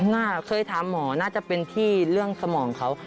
เคยถามหมอน่าจะเป็นที่เรื่องสมองเขา